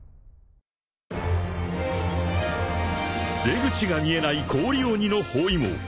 ［出口が見えない氷鬼の包囲網］